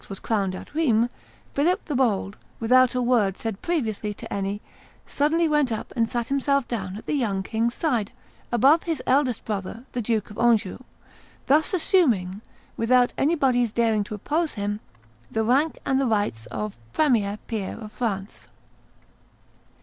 was crowned at Rheims, Philip the Bold, without a word said previously to any, suddenly went up and sat himself down at the young king's side, above his eldest brother, the Duke of Anjou, thus assuming, without anybody's daring to oppose him, the rank and the rights of premier peer of France.